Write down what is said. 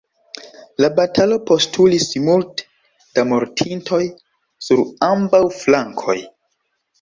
La batalo postulis multe da mortintoj sur ambaŭ flankoj.